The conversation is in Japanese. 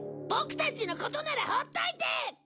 ボクたちのことならほっといて！